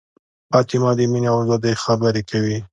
فاطمه د مینې او ازادۍ خبرې کوي.